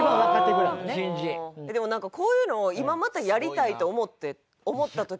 でもなんかこういうのを今またやりたいと思った時に。